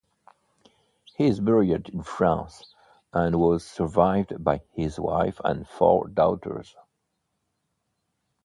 He is buried in France, and was survived by his wife and four daughters.